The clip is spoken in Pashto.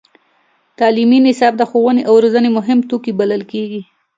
تعلیمي نصاب د ښوونې او روزنې مهم توکی بلل کېږي.